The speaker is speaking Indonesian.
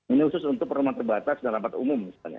ini khusus untuk perumahan terbatas dan rapat umum misalnya